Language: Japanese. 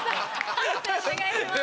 判定お願いします。